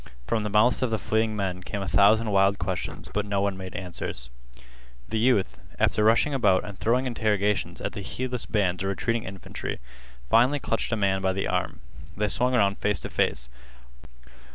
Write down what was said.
From the mouths of the fleeing men came a thousand wild questions, but no one made answers. The youth, after rushing about and throwing interrogations at the heedless bands of retreating infantry, finally clutched a man by the arm. They swung around face to face.